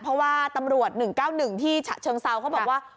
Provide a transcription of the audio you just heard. เพราะว่าตำรวจ๑๙๑ที่ฉะเชิงเซาเขาบอกว่า